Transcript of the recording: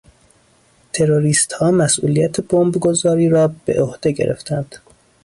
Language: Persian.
تروریستها مسئولیت بمبگذاری را به عهده گرفتند.